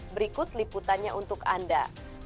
berikut liputannya untuk anda